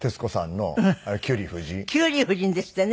『キュリー夫人』ですってね。